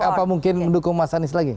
apa mungkin mendukung mas anies lagi